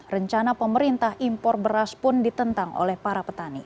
rencana pemerintah impor beras pun ditentang oleh para petani